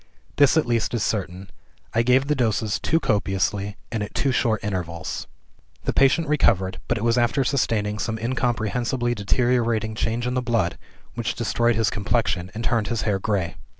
This at least is certain, I gave the doses too copiously and at too short intervals. "The patient recovered but it was after sustaining some incomprehensibly deteriorating change in the blood, which destroyed his complexion, and turned his hair gray.